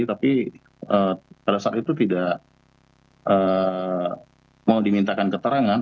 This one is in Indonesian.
tapi pada saat itu tidak mau dimintakan keterangan